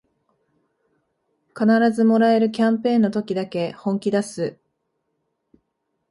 必ずもらえるキャンペーンの時だけ本気だす